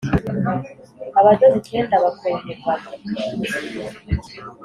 abadozi icyenda bakora umugabo